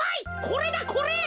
これだこれ。